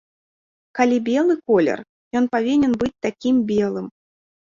Калі белы колер, ён павінен быць такім белым.